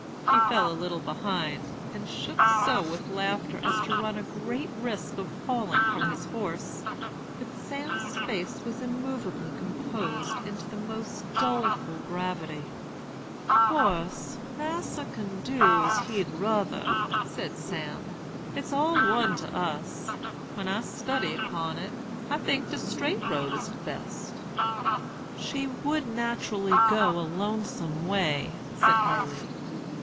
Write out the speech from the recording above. He fell a little behind, and shook so with laughter as to run a great risk of falling from his horse. But Sam's face was immovably composed into the most doleful gravity. "'Course, Mas'r can do as he'd ruther,' said Sam. 'It's all one to us. When I study 'pon it, I think de straight road is de best.' "'She would naturally go a lonesome way,' said Haley.